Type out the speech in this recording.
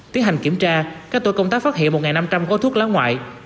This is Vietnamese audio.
tiến hành kiểm tra các tổ công tác phát hiện một năm trăm linh gói thuốc lá ngoại